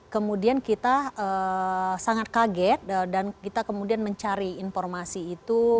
kemudian kita sangat kaget dan kita kemudian mencari informasi itu